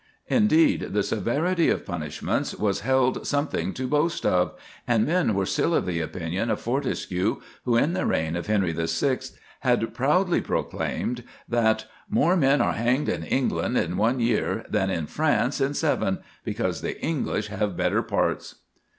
Indeed, the severity of punishments was held something to boast of, and men were still of the opinion of Fortescue, who, in the reign of Henry the Sixth, had proudly proclaimed that "more men are hanged in England in one year than in France in seven, because the English have better parts."